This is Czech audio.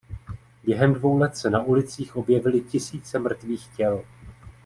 Během dvou let se na ulicích objevily tisíce mrtvých těl.